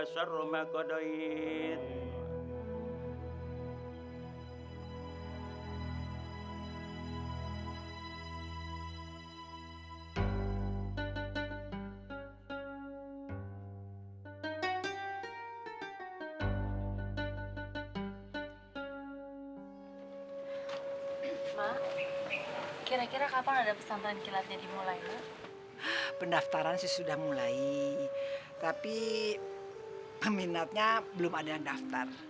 sekarang sudah mulai tapi peminatnya belum ada yang daftar